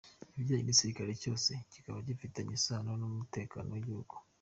Ikijyanye n’igisirikare cyose kikaba gifitanye isano n’umutekano w’igihugu.